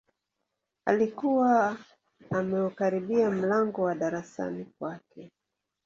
Alikuwa ameukaribia mlango wa darasani kwake